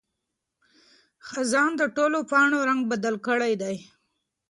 خزان د ټولو پاڼو رنګ بدل کړی دی.